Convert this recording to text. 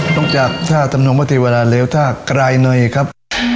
ต้องจากท่าธรรมนองพระเทวดาแล้วท่ากรายนัยครับ